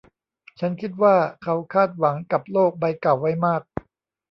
ฉันคิดว่าเขาคาดหวังกับโลกใบเก่าไว้มาก